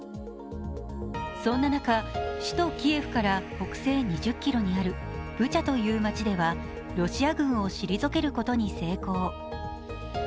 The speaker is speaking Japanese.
そんな中、首都キエフから北西２０ｋｍにあるブチャという町ではロシア軍を退けることに成功。